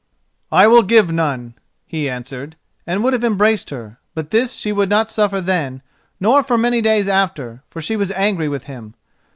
"I will give none," he answered, and would have embraced her; but this she would not suffer then, nor for many days after, for she was angry with him.